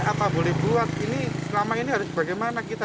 bukan solusi terbaik sih tapi apa boleh buat ini selama ini harus bagaimana kita